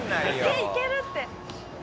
「いける」って。